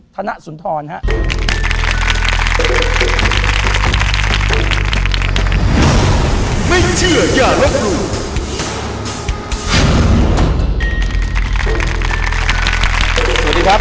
สวัสดีครับสวัสดีครับ